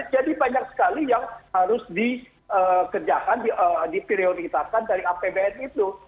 jadi banyak sekali yang harus dikerjakan diprioritakan dari apbn itu